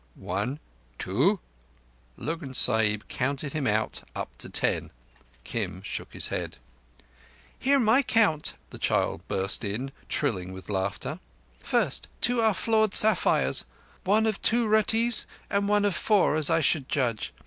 "One—two"—Lurgan Sahib counted him out up to ten. Kim shook his head. "Hear my count!" the child burst in, trilling with laughter. "First, are two flawed sapphires—one of two ruttees and one of four as I should judge.